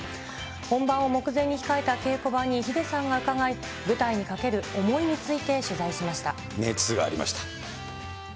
本番を目前に控えた稽古場にヒデさんがうかがい、舞台にかける思熱がありました。